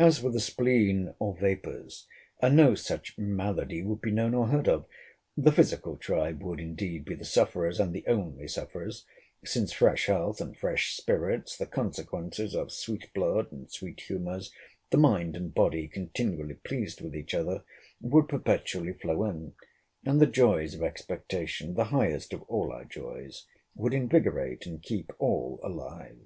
As for the spleen or vapours, no such malady would be known or heard of. The physical tribe would, indeed, be the sufferers, and the only sufferers; since fresh health and fresh spirits, the consequences of sweet blood and sweet humours (the mind and body continually pleased with each other) would perpetually flow in; and the joys of expectation, the highest of all our joys, would invigorate and keep all alive.